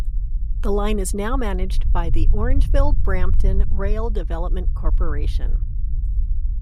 The line is now managed by the Orangeville Brampton Rail Development Corporation.